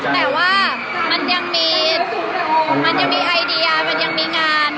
แต่ว่ามันยังมีไอเดียมันยังมีงาน